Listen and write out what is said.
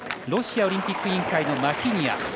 ロシアオリンピック委員会のマヒニア。